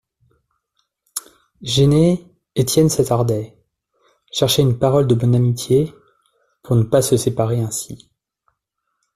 Gêné, Étienne s'attardait, cherchait une parole de bonne amitié, pour ne pas se séparer ainsi.